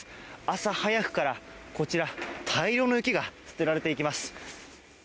朝早くから、こちら大量の雪が捨てられていきます。